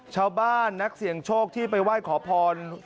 ชาวบ้านนักเสี่ยงโชคที่ไปไหว้ขอพร